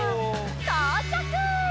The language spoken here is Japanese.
とうちゃく！